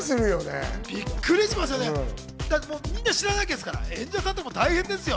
みんな知らないですから演者さんも大変ですよ。